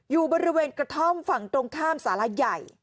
อยู่บริเวณกระท่อมฝั่งตรงข้ามสาระใหญ่